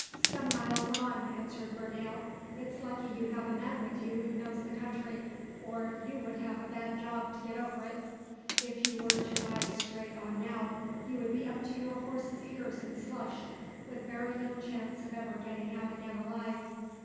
"Some miles on," answered Burdale. "It's lucky you have a man with you who knows the country, or you would have a bad job to get over it. If you were to ride straight on now, you would be up to your horse's ears in slush, with very little chance of ever getting out again alive.